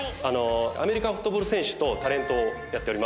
アメリカンフットボール選手とタレントをやっております。